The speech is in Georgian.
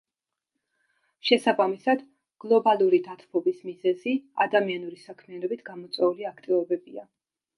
შესაბამისად, გლობალური დათბობის მიზეზი ადამიანური საქმიანობით გამოწვეული აქტივობებია.